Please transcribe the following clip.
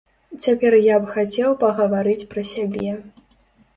Цяпер я б хацеў пагаварыць пра сябе.